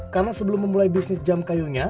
karena sebelum memulai bisnis jam kayunya